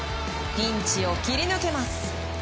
ピンチを切り抜けます。